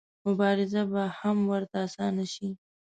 مبارزه به هم ورته اسانه شي.